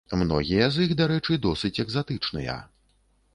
Многія з іх, дарэчы, досыць экзатычныя.